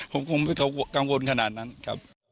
ผมคงไม่ต้องกังวลขนาดนั้นครับ